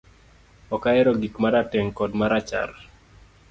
Ok ahero gik marateng kod marachar